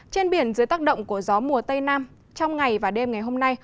trên biển dưới tác động của gió mùa tây nam trong ngày và đêm ngày hôm nay